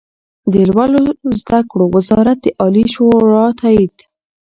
د لوړو زده کړو وزارت د عالي شورا تائید